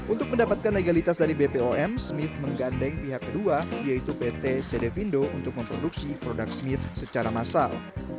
untuk mendapatkan legalitas dari bpom smith menggandeng pihak kedua yaitu pt sedevindo untuk memproduksi produk smith secara massal